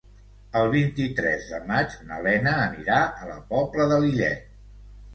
El vint-i-tres de maig na Lena anirà a la Pobla de Lillet.